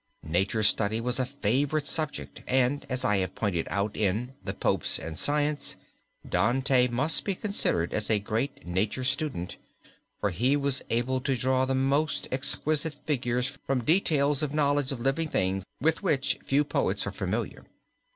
Nature study was a favorite subject, and, as I have pointed out in "The Popes and Science," Dante must be considered as a great nature student, for he was able to draw the most exquisite figures from details of knowledge of living things with which few poets are familiar.